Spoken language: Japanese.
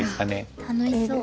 楽しそう。